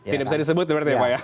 tidak bisa disebut seperti apa ya